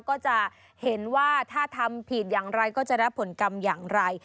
ก็จะเห็นว่าถ้าทำผิดอย่างไรก็จะรับผลกรรมอย่างไร